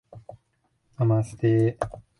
香川県宇多津町